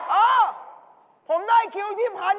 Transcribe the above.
เออผมได้คิวที่๑๐๐